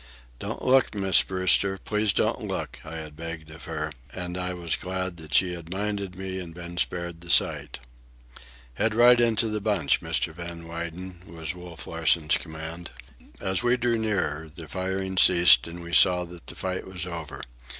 "Don't look, Miss Brewster, please don't look," I had begged of her, and I was glad that she had minded me and been spared the sight. "Head right into the bunch, Mr. Van Weyden," was Wolf Larsen's command. As we drew nearer, the firing ceased, and we saw that the fight was over.